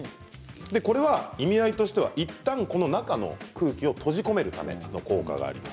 これは意味合いとしてはいったん中の空気を閉じ込めるための効果があります。